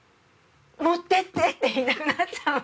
持っていって！って言いたくなっちゃうの。